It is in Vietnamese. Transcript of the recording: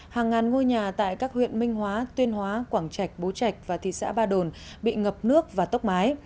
hàng ngàn ngôi nhà tại các huyện minh hóa tuyên hóa quảng trạch bố trạch và thị xã ba đồn bị ngập nước và tốc mái